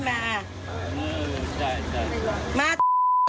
อย่าภายอ่ะ